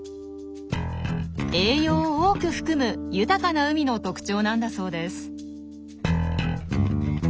栄養を多く含む豊かな海の特徴なんだそうです。